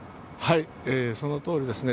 そのとおりですね。